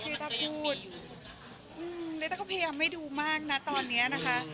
ต้าพูดอืมลิต้าก็พยายามไม่ดูมากนะตอนเนี้ยนะคะ